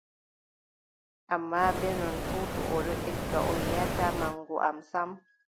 Ammaa, bee non fuu, to o ɗon egga, o yiʼataa maŋgu am sam,